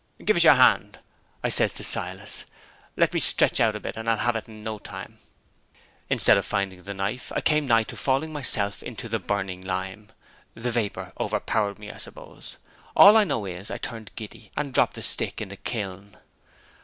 'Give us your hand,' I says to Silas. 'Let me stretch out a bit and I'll have it in no time.' Instead of finding the knife, I came nigh to falling myself into the burning lime. The vapor overpowered me, I suppose. All I know is, I turned giddy, and dropped the stick in the kiln.